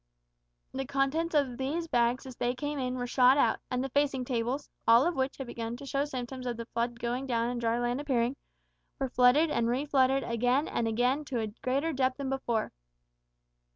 The contents of these bags as they came in were shot out, and the facing tables all of which had begun to show symptoms of the flood going down and dry land appearing were flooded and reflooded again and again to a greater depth than before.